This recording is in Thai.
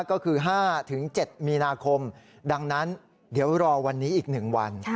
ก็คือ๕๗มีนาคมดังนั้นเดี๋ยวรอวันนี้อีก๑วัน